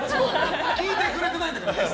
聞いてくれてないんだから。